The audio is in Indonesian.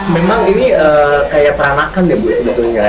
memang ini kayak peranakan ya ibu sebetulnya